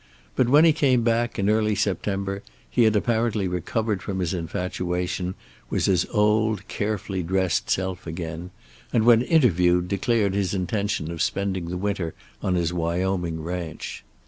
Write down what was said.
But when he came back, in early September, he had apparently recovered from his infatuation, was his old, carefully dressed self again, and when interviewed declared his intention of spending the winter on his Wyoming ranch.